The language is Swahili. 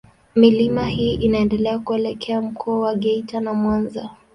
Milima hii inaendelea kuelekea Mkoa wa Geita na Mwanza.